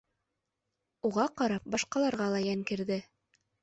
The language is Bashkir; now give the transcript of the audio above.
Уға ҡарап, башҡаларға ла йән керҙе.